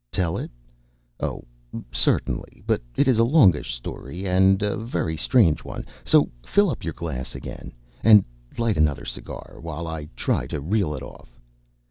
Tell it? Oh, certainly; but it is a longish story and a very strange one; so fill up your glass again, and light another cigar, while I try to reel it off.